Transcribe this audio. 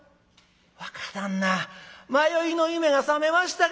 「若旦那迷いの夢が覚めましたか。